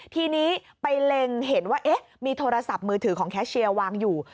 ทีนี้ไปเล็งเห็นว่าเอ๊ะมีโทรศัพท์มือถือของแคชเชียร์วางอยู่